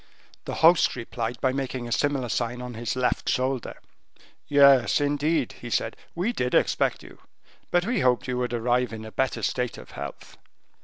The host replied by making a similar sign on his left shoulder. "Yes, indeed," he said, "we did expect you, but we hoped that you would arrive in a better state of health."